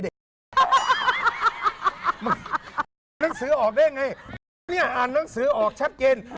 หนังสือออกได้ไงเราอ่านหนังสือออกชัดเก็น